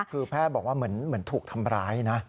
คือแพทย์บอกว่าเหมือนถูกทำร้ายนะ